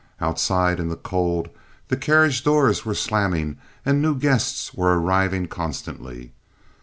Outside in the cold, the carriage doors were slamming, and new guests were arriving constantly.